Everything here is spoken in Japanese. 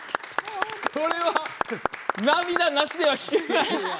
これは、涙なしでは聴けない。